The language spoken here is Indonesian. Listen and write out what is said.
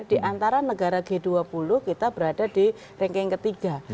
di antara negara g dua puluh kita berada di ranking ketiga